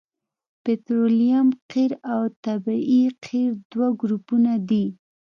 پطرولیم قیر او طبیعي قیر دوه ګروپونه دي